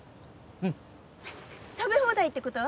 うんっ食べ放題ってこと？